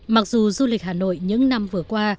mặc dù du lịch hà nội những năm vừa qua